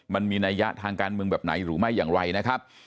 มันมีนัยยะทางการเมืองแบบไหนหรือไม่อย่างไรนะครับ